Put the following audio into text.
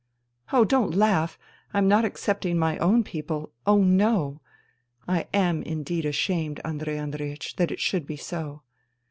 Oh, don't laugh. I'm not excepting my own people. Oh, no 1 I am indeed ashamed, Andrei Andreiech, that it should be so.